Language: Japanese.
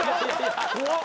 怖っ。